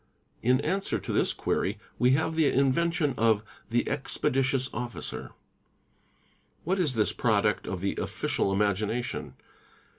In answer to this query we have the invention of 'the Expeditious Officer'. What is this product of the official imagination?